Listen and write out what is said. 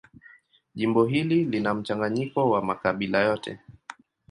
Jimbo hili lina mchanganyiko wa makabila yote.